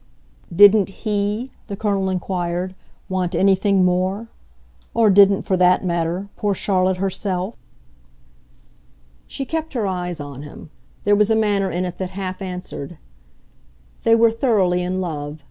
"Didn't HE," the Colonel inquired, "want anything more? Or didn't, for that matter, poor Charlotte herself?" She kept her eyes on him; there was a manner in it that half answered. "They were thoroughly in love.